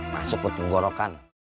masuk ke tenggorokan